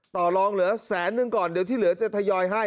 ต่อลองเหลือแสนนึงก่อนเดี๋ยวที่เหลือจะทยอยให้